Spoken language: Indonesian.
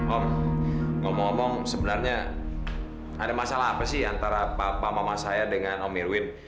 om ngomong ngomong sebenarnya ada masalah apa sih antara papa mama saya dengan om irwin